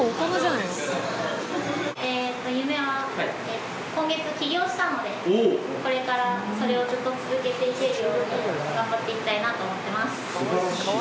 えーっと夢は今月起業したのでこれからそれをずっと続けていけるように頑張っていきたいなと思ってます。